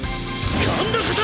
今度こそ！